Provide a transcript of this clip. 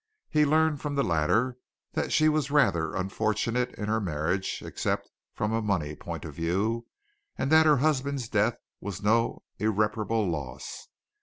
He learned from the latter that she was rather unfortunate in her marriage except from a money point of view, and that her husband's death was no irreparable loss.